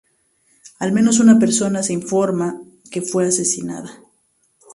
Al menos una persona se informa que fue asesinada.